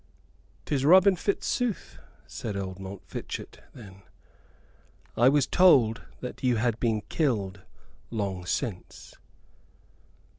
"'Tis Robin Fitzooth!" said old Montfichet, then. "I was told that you had been killed long since."